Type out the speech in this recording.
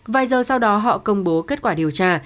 vài giờ sau đó họ công bố kết quả điều tra